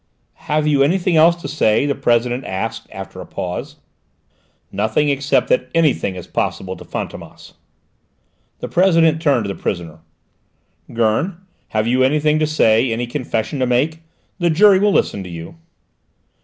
"Have you anything else to say?" the President asked after a pause. "Nothing: except that anything is possible to Fantômas." The President turned to the prisoner. "Gurn, have you anything to say, any confession to make? The jury will listen to you."